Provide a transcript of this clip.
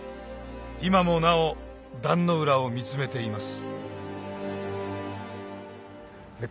今もなお壇ノ浦を見つめています